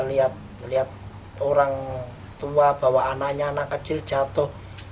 lihat orang tua bawa anaknya anak kecil jatuh